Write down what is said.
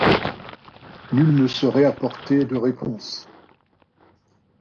Nul ne saurait apporter de réponse.